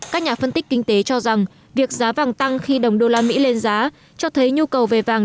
các nhà phân tích kinh tế cho rằng việc giá vàng tăng khi đồng usd lên giá cho thấy nhu cầu về vàng